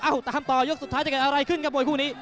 ตามต่อยกสุดท้ายจะเกิดอะไรขึ้นกับมวยคู่นี้